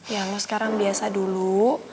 ya kalau sekarang biasa dulu